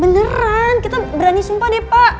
beneran kita berani sumpah deh pak